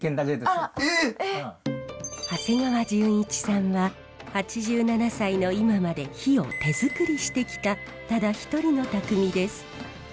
長谷川淳一さんは８７歳の今まで杼を手作りしてきたただ一人の匠です。